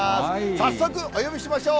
早速お呼びしましょう。